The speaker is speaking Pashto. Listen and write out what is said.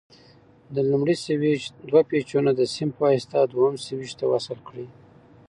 د لومړني سویچ دوه پېچونه د سیم په واسطه دویم سویچ ته وصل کړئ.